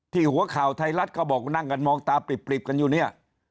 หัวข่าวไทยรัฐก็บอกนั่งกันมองตาปริบกันอยู่เนี่ย